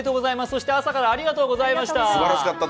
そして朝からありがとうございました。